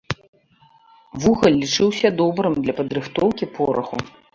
Вугаль лічыўся добрым для падрыхтоўкі пораху.